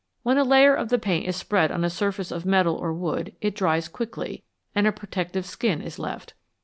When a layer of the paint is spread on a surface of metal or wood it dries quickly, and a pro tective skin is left.